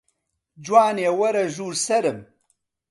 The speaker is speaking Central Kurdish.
جوانێ وەرە ژوور سەرم